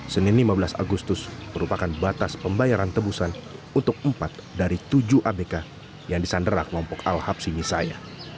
senin lima belas agustus merupakan batas pembayaran tebusan untuk empat dari tujuh abk yang disandera kelompok al habsi nisaya